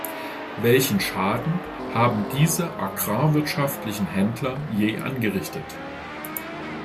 Welchen Schaden haben diese agrarwirtschaftlichen Händler je angerichtet?